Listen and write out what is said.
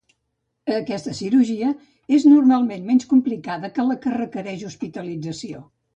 Aquesta cirurgia és normalment menys complicada que la que requereix hospitalització.